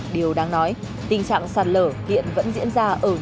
điều đáng nói tình trạng